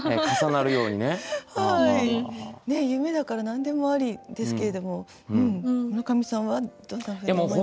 夢だから何でもありですけれども村上さんはどんなふうに思いました？